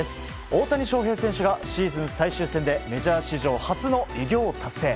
大谷翔平選手がシーズン最終戦でメジャー史上初の偉業達成。